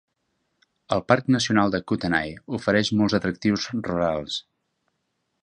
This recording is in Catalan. El Parc nacional de Kootenay ofereix molts atractius rurals.